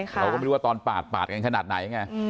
เราก็ไม่รู้ว่าตอนปาดปาดกันขนาดไหนไง